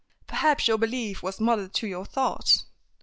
"Perhaps your belief was mother to your thought."